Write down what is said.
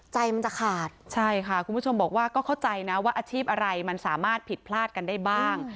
ใจมันจะขาดใช่ค่ะคุณผู้ชมบอกว่าก็เข้าใจนะว่าอาชีพอะไรมันสามารถผิดพลาดกันได้บ้าง